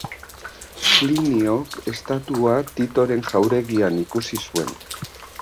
Pliniok estatua Titoren jauregian ikusi zuen.